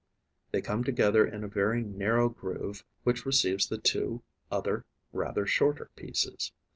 They come together in a very narrow groove, which receives the two other, rather shorter pieces.